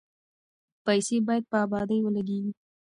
پیسې باید په ابادۍ ولګیږي.